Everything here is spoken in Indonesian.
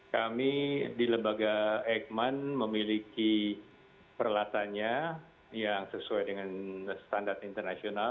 kami di lembaga eijkman memiliki peralatannya yang sesuai dengan standar internasional